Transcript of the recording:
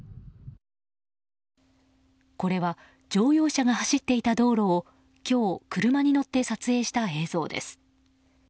これは乗用車が走っていた道路を今日、車に乗って撮影した映像です。